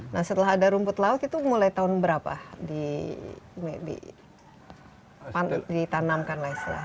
nah setelah ada rumput laut itu mulai tahun berapa ditanamkan lah istilahnya